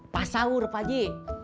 pasaur pak haji